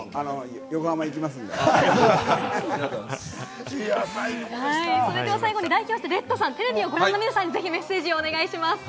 横浜行きますんそれでは最後に代表してＲＥＤさん、テレビをご覧の皆さんにメッセージをお願いします。